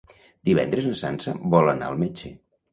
Divendres na Sança vol anar al metge.